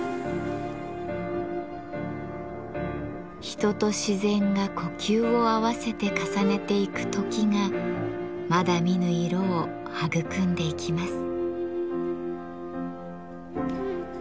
人と自然が呼吸を合わせて重ねていく「時」がまだ見ぬ色を育んでいきます。